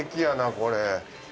これ。